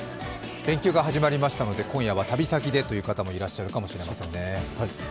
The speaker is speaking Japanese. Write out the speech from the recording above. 連休が始まりましたので今夜は旅先でという方もいらっしゃるかもしれません。